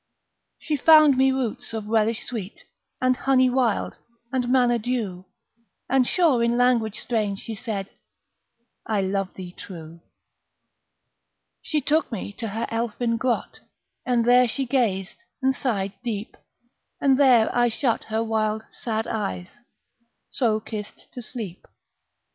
She found me roots of relish sweet, And honey wild, and manna dew, And sure in language strange she said, "I love thee true!" She took me to her elfin grot, And there she gazed and sighed deep, And there I shut her wild, sad eyes So kissed to sleep.